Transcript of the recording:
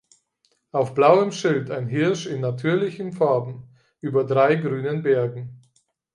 Auf blauem Schild ein Hirsch in natürlichen Farben über drei grünen Bergen.